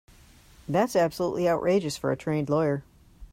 That's absolutely outrageous for a trained lawyer.